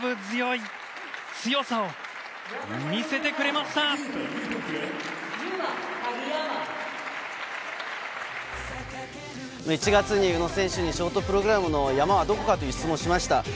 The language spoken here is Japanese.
強さを見せてくれました。